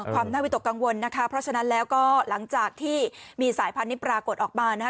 ความน่าวิตกกังวลนะคะเพราะฉะนั้นแล้วก็หลังจากที่มีสายพันธุ์นี้ปรากฏออกมานะคะ